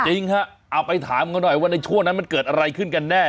จริงฮะเอาไปถามเขาหน่อยว่าในช่วงนั้นมันเกิดอะไรขึ้นกันแน่